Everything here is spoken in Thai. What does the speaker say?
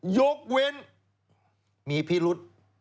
ยกเว้นมีพิรุษ